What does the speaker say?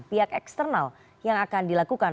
pihak eksternal yang akan dilakukan